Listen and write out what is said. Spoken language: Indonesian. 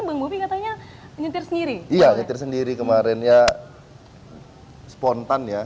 bang bobi katanya nyetir sendiri iya nyetir sendiri kemarin ya spontan ya